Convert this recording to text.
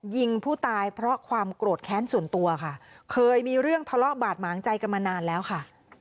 ยิงผู้ตายเพราะความโกรธแค้นส่วนตัวค่ะเคยมีเรื่องทะเลาะบาดหมางใจกันมานานแล้วค่ะ